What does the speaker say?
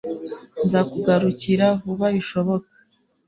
nzakugarukira vuba bishoboka